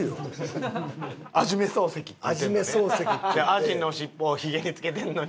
アジのしっぽをひげにつけてるのに。